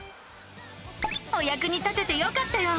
おやくに立ててよかったよ！